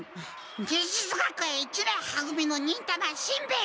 忍術学園一年は組の忍たましんべヱです。